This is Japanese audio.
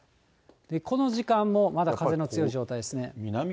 この時間もまだ風の強い状態ですね。